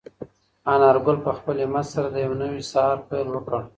انارګل په خپل همت سره د یو نوي سهار پیل وکړ.